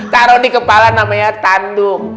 taro di kepala namanya tandung